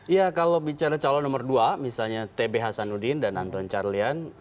iya kalau bicara calon nomor dua misalnya tb hasan udin dan anton carlyan